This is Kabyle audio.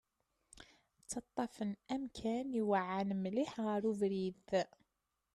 Ttaṭṭafen amkan iweɛɛan mliḥ ɣer ubrid.